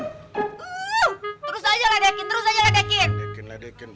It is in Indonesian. uh terus aja lah dekin terus aja lah dekin